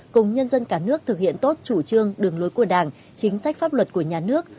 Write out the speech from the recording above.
cùng nhân dân cả nước thực hiện tốt chủ trương đường lối của đảng chính sách pháp luật của nhà nước